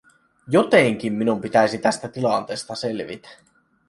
Jotenkin minun pitäisi tästä tilanteesta selvitä.